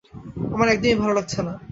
আমার একদমই ভালো লাগছে না।